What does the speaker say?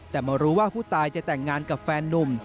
แต่มารู้ว่าผู้ตายจะแต่งงานกับแฟนนุ่ม